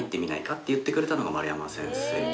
って言ってくれたのが丸山先生で。